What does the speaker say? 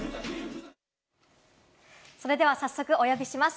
それでは早速お呼びします。